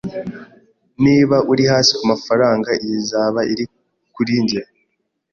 Niba uri hasi kumafaranga, iyi izaba iri kuri njye